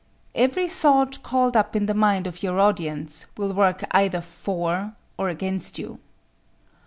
Every thought called up in the mind of your audience will work either for or against you.